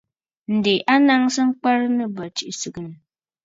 Ǹdè a nsaŋnə ŋkwɛrə nɨ̂ bə̂ tsiʼì sɨgɨ̀nə̀.